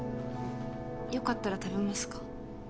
よかったら食べますか？